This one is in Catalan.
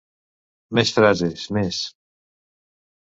Més frases, més.